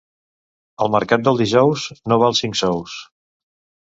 El mercat del dijous no val cinc sous.